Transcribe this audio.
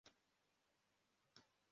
Umugabo ukuze yambaye imyambarire gakondo